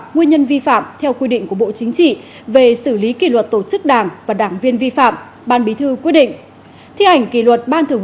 nguyên nhân vi phạm theo quy định của bộ chính trị về xử lý kỷ luật tổ chức đảng và đảng viên vi phạm ban bí thư quyết định